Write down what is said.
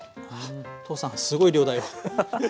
父さんすごい量だよ。